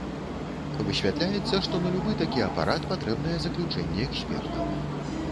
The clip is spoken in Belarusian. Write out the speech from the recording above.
Высвятляецца, што на любы такі апарат патрэбнае заключэнне экспертаў.